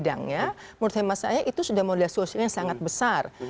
dengan mereka sudah terkenal di bidangnya menurut saya itu sudah model sosial yang sangat besar